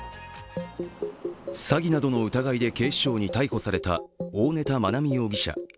詐欺などの疑いで警視庁に逮捕された大根田愛美容疑者。